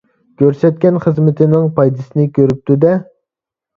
كۆرسەتكەن خىزمىتىنىڭ پايدىسىنى كۆرۈپتۇ-دە.